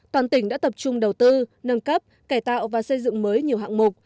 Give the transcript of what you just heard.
toàn tỉnh đã tập trung đầu tư nâng cấp cải tạo và xây dựng mới nhiều hạng mục